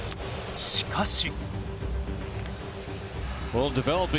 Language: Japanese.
しかし。